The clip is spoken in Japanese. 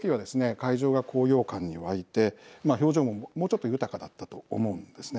会場が高揚感に沸いて表情も、もうちょっと豊かだったと思うんですね。